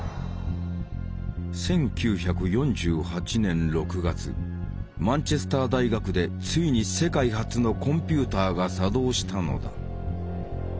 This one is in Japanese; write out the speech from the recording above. １９４８年６月マンチェスター大学でついに世界初のコンピューターが作動したのだ。